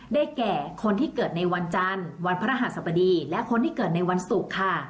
แก่คนที่เกิดในวันจันทร์วันพระหัสบดีและคนที่เกิดในวันศุกร์ค่ะ